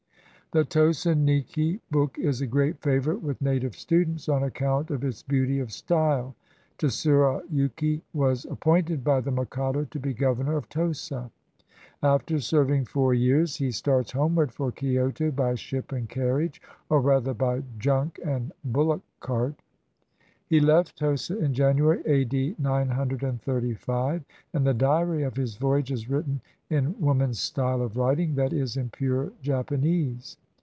The Tosa Niki book is a great favorite with native students on account of its beauty of style. Tsurayuki was appointed by the mikado to be governor of Tosa. After serving four years he starts homeward for Kioto by ship and carriage, or rather by junk and bullock cart. 296 SOCIAL LIFE IN KIOTO He left Tosa in January, a.d. 935, and the diary of his voyage is written in woman's style of writing, that is, in pure Japanese.